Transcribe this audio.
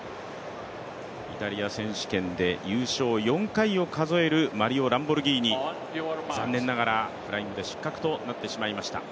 イタリア選手権で優勝４回を数えるマリオ・ランボルギーニ、残念ながらフライングで失格となってしまいました。